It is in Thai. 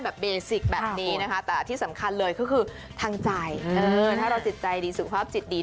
เบสิกแบบนี้นะคะแต่ที่สำคัญเลยก็คือทางใจถ้าเราจิตใจดีสุขภาพจิตดี